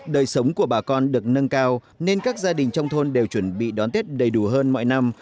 đời sống của bà con được nâng cao nên các gia đình trong thôn đều chuẩn bị đón tết đầy đủ hơn mọi năm